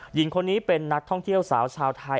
หญิงคนนี้เป็นนักท่องเที่ยวสาวชาวไทย